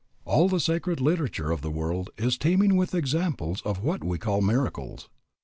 All the sacred literature of the world is teeming with examples of what we call miracles.